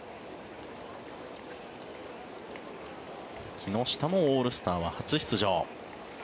木下もオールスターは初出場。